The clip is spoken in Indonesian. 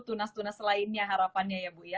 tunas tunas lainnya harapannya ya bu ya